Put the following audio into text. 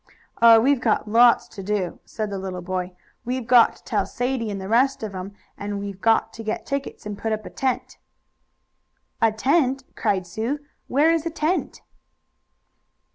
"Oh, we've got lots to do," said the little boy. "We've got to tell Sadie and the rest of 'em, and we've got to get tickets, and put up a tent." "A tent!" cried Sue. "Where is a tent?"